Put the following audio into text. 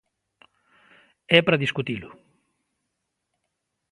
É para discutilo.